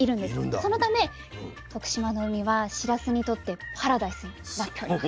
そのため徳島の海はしらすにとってパラダイスになっております。